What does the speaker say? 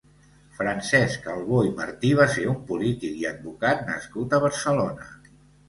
Francesc Albó i Martí va ser un polític i advocat nascut a Barcelona.